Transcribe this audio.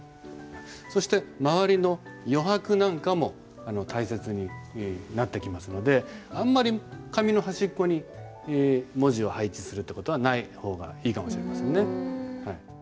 そして周りの余白なんかも大切になってきますのであんまり紙の端っこに文字を配置するって事はない方がいいかもしれませんね。